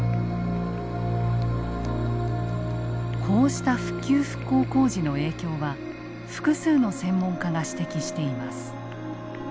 こうした復旧復興工事の影響は複数の専門家が指摘しています。